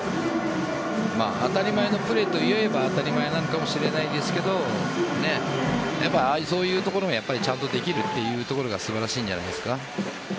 当たり前のプレーといえば当たり前なのかもしれないですがそういうところもちゃんとできるというところが素晴らしいんじゃないですか。